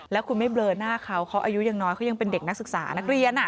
แล้วคุณไม่เบลอหน้าเขาเขาอายุยังน้อยเขายังเป็นเด็กนักศึกษานักเรียน